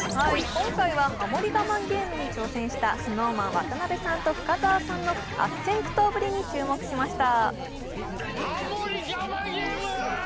今回は「ハモリ我慢ゲーム」に挑戦した、ＳｎｏｗＭａｎ・渡辺さんと深澤さんの悪戦苦闘ぶりに注目しました。